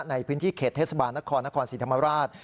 ในพื้นที่เขตเทศบาลนครนครศรีธรรมราช